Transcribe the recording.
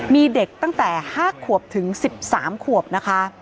มีเด็กตั้งแต่๕ขวบถึง๑๓ขวบนะคะ